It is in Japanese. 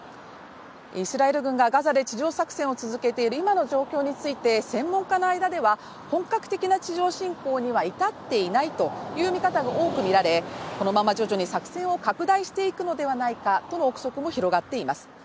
イスラエル軍がガザで地上作戦を続けている今の状況について専門家の間では本格的な地上侵攻には至っていないという見方が多くみられ、このまま徐々に作戦を拡大していくのではないかとの憶測も広がってます。